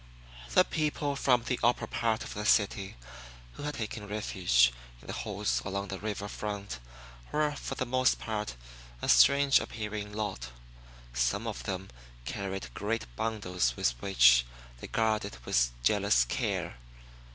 The people from the upper part of the city who had taken refuge in the holes along the river front, were for the most part a strange appearing lot. Some of them carried great bundles which they guarded with jealous care.